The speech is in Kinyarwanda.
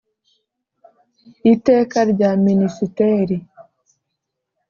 Iteka rya minisiteri